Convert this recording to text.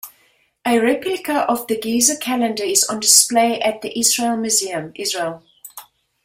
A replica of the Gezer calendar is on display at the Israel Museum, Israel.